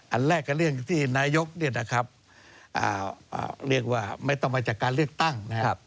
อันแรกก็เรื่องที่นายกเรียกว่าไม่ต้องมาจากการเลือกตั้งนะครับ